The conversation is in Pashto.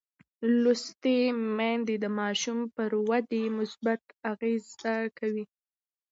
لوستې میندې د ماشوم پر ودې مثبت اغېز کوي.